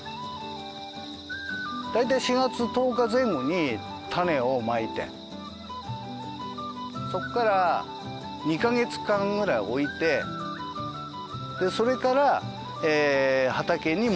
大体４月１０日前後に種をまいてそこから２カ月間ぐらい置いてでそれから畑に持って行って定植をする。